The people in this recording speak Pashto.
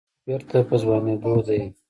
دلته يو کس بېرته په ځوانېدو دی.